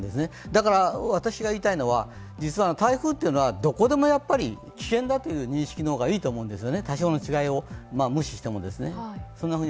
だから私が言いたいのは実は台風というのはどこでも危険だという認識の方がいいと思うんです、多少の違いを無視しても。